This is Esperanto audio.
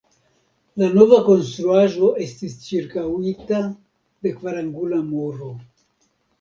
La nova konstruaĵo estis ĉirkaŭita de kvarangula muro.